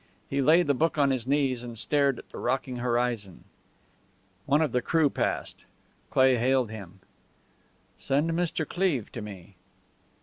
He laid the book on his knees and stared at the rocking horizon. One of the crew passed. Cleigh hailed him. "Send Mr. Cleve to me."